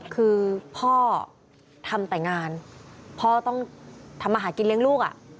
คือพ่อทำแต่งานพ่อต้องทำมาหากินเลี้ยงลูก